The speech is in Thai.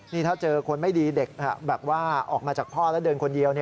นี่ถ้าเจอคนไม่ดีเด็กแบบว่าออกมาจากพ่อแล้วเดินคนเดียว